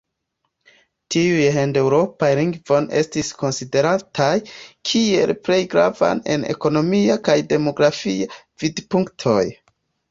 Tiuj hindeŭropaj lingvoj estis konsiderataj kiel plej gravaj el ekonomia kaj demografia vidpunktoj.